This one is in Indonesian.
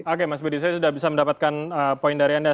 oke mas budi saya sudah bisa mendapatkan poin dari anda